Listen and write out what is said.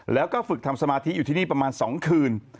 แล้วก็ฝึกทำสมาธิอยู่ที่นี่ประมาณ๒คืน